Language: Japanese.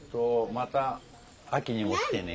また秋にも来てね。